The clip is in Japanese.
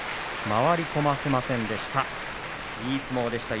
回り込ませませんでした。